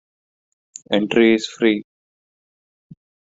Entry is free.